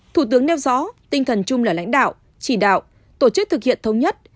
thủ tướng nêu rõ tinh thần chung là lãnh đạo chỉ đạo tổ chức thực hiện thống nhất